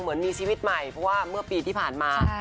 เหมือนมีชีวิตใหม่เพราะว่าเมื่อปีที่ผ่านมา